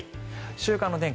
週間の天気